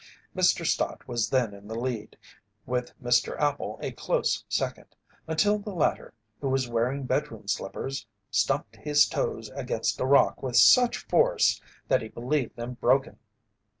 Mr. Stott was then in the lead, with Mr. Appel a close second, until the latter, who was wearing bedroom slippers, stumped his toes against a rock with such force that he believed them broken.